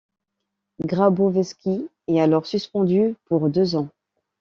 Gabrovski est alors suspendu pour deux ans.